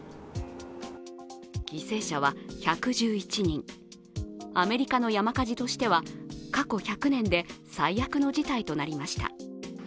犠牲者は１１１人、アメリカの山火事としては過去１００年で最悪の事態となりました。